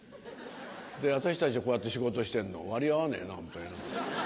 で私たちはこうやって仕事してんの割合わねえよなホントに。